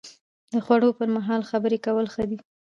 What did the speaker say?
د خوړو پر مهال خبرې کول ښه دي؟